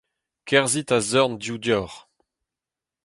Kerzhit a-zorn dehoù deoc'h.